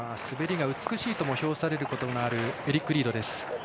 滑りが美しいとも評されることもあるエリック・リードです。